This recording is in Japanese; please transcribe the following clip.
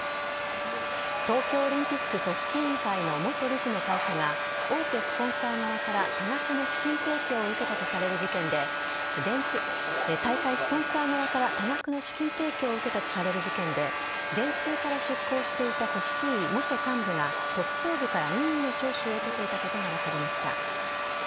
東京オリンピック組織委員会の元理事の会社が、大手スポンサー側から多額の資金提供を受けたとされる事件で、大会スポンサー側から多額の資金提供を受けたとされる事件で、電通から出向していた組織委元幹部が、特捜部から任意の聴取を受けていたことが分かりました。